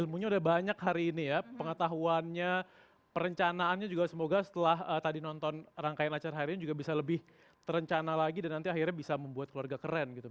ilmunya udah banyak hari ini ya pengetahuannya perencanaannya juga semoga setelah tadi nonton rangkaian acara hari ini juga bisa lebih terencana lagi dan nanti akhirnya bisa membuat keluarga keren gitu